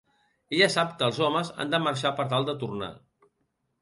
Ella sap que els homes han de marxar per tal de tornar.